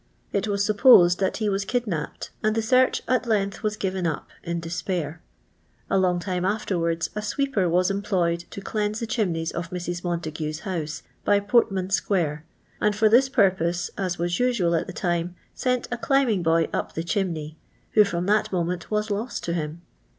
It was supposed that he was kidnapped, asd the search at length was given up in despair. A long time afterwards a sweeper was employed to cleanse the chimneys of Mrs. Montagu's house, by Portman square, and for this purpose, as was usual at the time, sent a climbing boy up the chimney, who from that moment was lost to him.